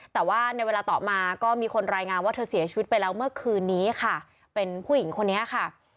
แต่ว่าในเวลาต่อมาก็มีคนรายงานว่าเธอเสียชีวิตไปแล้วเมื่อคืนนี้ค่ะเป็นผู้หญิงคนนี้ค่ะ